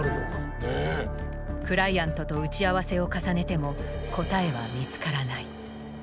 クライアントと打ち合わせを重ねても答えは見つからない。